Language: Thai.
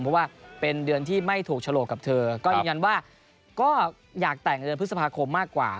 เพราะว่าเป็นเดือนที่ไม่ถูกฉลกกับเธอก็ยืนยันว่าก็อยากแต่งในเดือนพฤษภาคมมากกว่า